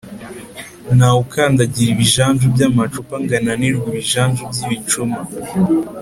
Ntawe ukandagira ibijanju by’amacupa ,ngo ananirwe ibijanju by’ibicuma